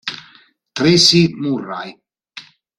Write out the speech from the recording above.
Tracy Murray